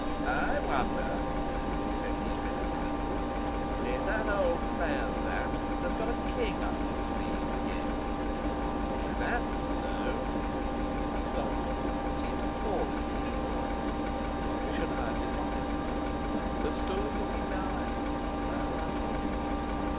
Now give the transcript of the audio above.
"I wonder," said he meditatively, "if that old player Sapt has got a king up his sleeve again! If that were so " He stopped and seemed to fall into deep thought. Rischenheim did not interrupt him, but stood looking now at him, now out of the window.